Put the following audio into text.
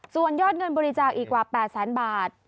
ส่วนยอดเงินบริจาคอีกกว่า๘แสนบาท